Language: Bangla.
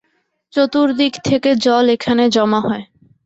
চতুর্দিক থেকে জল এখানে জমা হয়।